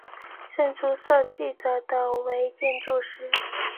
胜出设计者为建筑师。